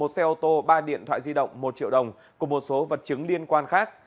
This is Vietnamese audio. một xe ô tô ba điện thoại di động một triệu đồng cùng một số vật chứng liên quan khác